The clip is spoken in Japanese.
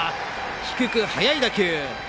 低く速い打球。